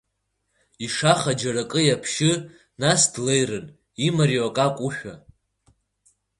Ишаха џьара акы иаԥшьы, нас, длеирын имариоу ак акәушәа.